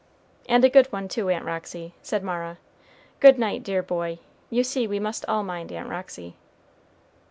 "And a good one, too, Aunt Roxy," said Mara. "Good night, dear boy; you see we must all mind Aunt Roxy."